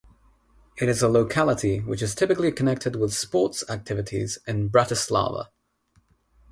It is a locality, which is typically connected with sports activities in Bratislava.